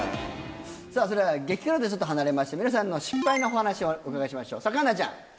それでは激辛とはちょっと離れまして皆さんの失敗のお話をお伺いしましょう環奈ちゃん。